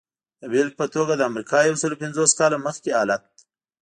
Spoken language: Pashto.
د بېلګې په توګه د امریکا یو سلو پنځوس کاله مخکې حالت.